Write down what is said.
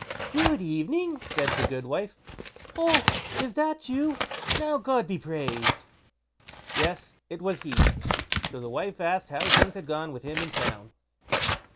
"Good evening!" said the goodwife. "Oh! is that you? now God be praised." Yes! it was he. So the wife asked how things had gone with him in town?